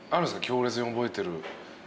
強烈に覚えてる。